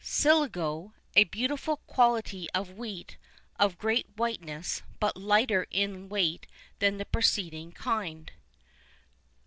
[II 1] Siligo, a beautiful quality of wheat, of great whiteness, but lighter in weight than the preceding kind.